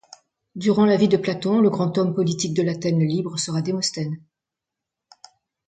Durant la vie de Platon, le grand homme politique de l'Athènes libre sera Démosthènes.